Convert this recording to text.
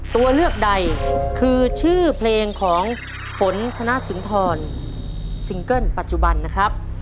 ตัวเลือกใดคือชื่อเพลงของฝนธนสุนทรซิงเกิ้ลปัจจุบันนะครับ